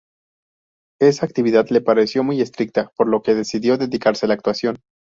Esa actividad le pareció muy estricta por lo que decidió dedicarse a la actuación.